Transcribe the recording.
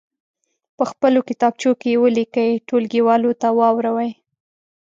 په خپلو کتابچو کې یې ولیکئ ټولګیوالو ته واوروئ.